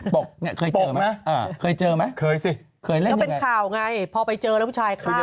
เป็นค่าวไงเพราะไปเจอแล้วผู้ชายฆ่า